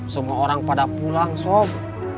semua orang pada pulang sok